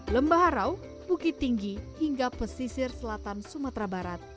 lembah harau bukit tinggi hingga pesisir selatan sumatera barat